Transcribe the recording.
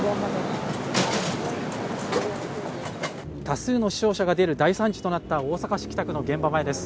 多数の死傷者が出る大惨事となった大阪市北区の現場前です。